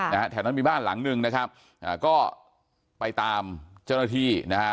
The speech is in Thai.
นะฮะแถวนั้นมีบ้านหลังหนึ่งนะครับอ่าก็ไปตามเจ้าหน้าที่นะฮะ